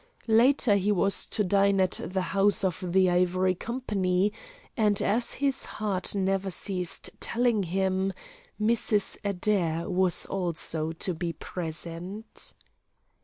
Later he was to dine at the house of the Ivory Company and, as his heart never ceased telling him, Mrs. Adair also was to be present.